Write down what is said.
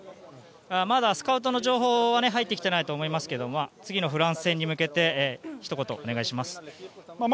まだスカウトの情報は入ってきていないと思いますが次のフランス戦に向けてひと言、お願いします。